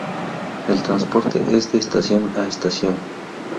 El transporte es de estación a estación.